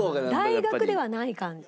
大学ではない感じ。